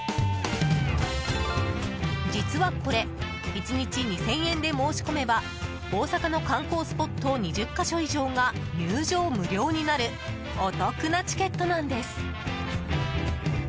実はこれ１日２０００円で申し込めば大阪の観光スポット２０か所以上が入場無料になるお得なチケットなんです。